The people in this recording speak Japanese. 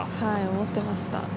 思ってました。